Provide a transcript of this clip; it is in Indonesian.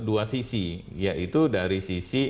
dua sisi yaitu dari sisi